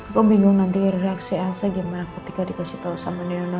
gue bingung nanti reaksi elsa gimana ketika dikasih tau sama nino